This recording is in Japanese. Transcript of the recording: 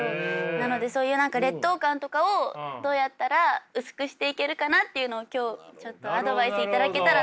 なのでそういう何か劣等感とかをどうやったら薄くしていけるかなっていうのを今日ちょっとアドバイスいただけたらと。